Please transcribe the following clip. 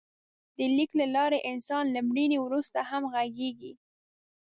د لیک له لارې انسان له مړینې وروسته هم غږېږي.